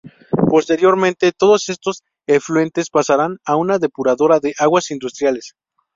Posteriormente, todos estos efluentes pasarán a una depuradora de aguas industriales.